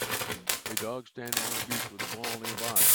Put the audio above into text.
A dog standing on a beach with a ball nearby.